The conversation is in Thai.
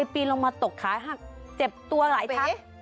ปีนลงมาตกขาหักเจ็บตัวหลายครั้ง